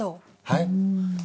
はい？